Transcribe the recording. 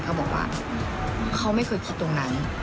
เขาบอกว่าเขาไม่เคยคิดตรงนั้น